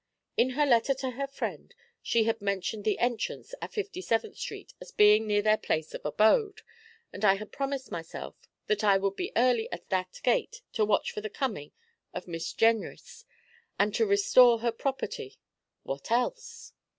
In her letter to her friend she had mentioned the entrance at Fifty seventh Street as being near their place of abode, and I had promised myself that I would be early at that gate to watch for the coming of Miss Jenrys, and to restore her property what else?